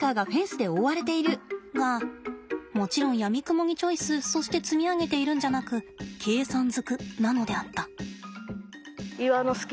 がもちろんやみくもにチョイスそして積み上げているんじゃなく計算ずくなのであった。